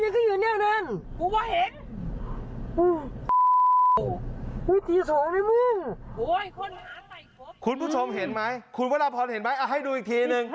คุณผู้ชมเห็นไหมคุณวรพรเห็นไหมให้ดูอีกทีนึง